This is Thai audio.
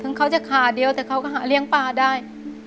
เขาจะขาเดียวแต่เขาก็หาเลี้ยงปลาได้